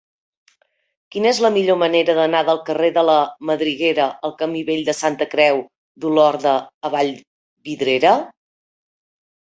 Quina és la millor manera d'anar del carrer de la Madriguera al camí Vell de Santa Creu d'Olorda a Vallvidrera?